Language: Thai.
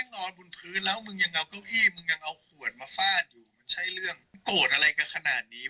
โกรธอะไรกันขนาดนี้วะอะไรอย่างเงี้ย